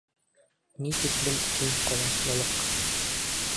Ни тиклем киң ҡоласлылыҡ!